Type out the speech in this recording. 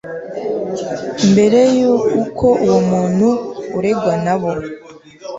mbere y uko uwo muntu uregwanabo